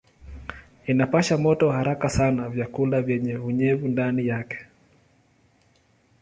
Inapasha moto haraka sana vyakula vyenye unyevu ndani yake.